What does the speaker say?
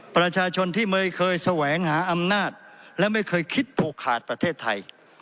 ประชาชนที่ไม่เคยแสวงหาอำนาจและไม่เคยคิดผูกขาดประเทศไทย